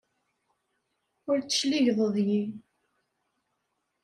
Ur d-tecligeḍ deg-i.